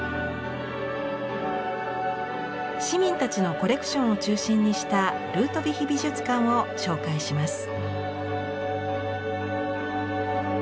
市民たちのコレクションを中心にしたルートヴィヒ美術館を紹介します。